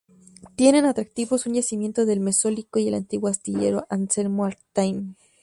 Tiene como atractivos un yacimiento del Mesolítico y el antiguo astillero Anselmo Artime.